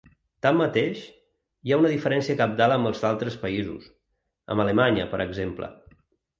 Tanmateix, hi ha una diferència cabdal amb els altres països –amb Alemanya, per exemple.